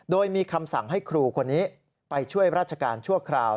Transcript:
โดยมีคำสั่งให้ครูคนนี้ไปช่วยราชการชั่วคราว